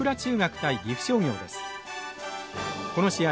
この試合